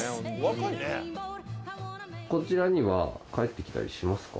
こちらには帰ってきたりしますか？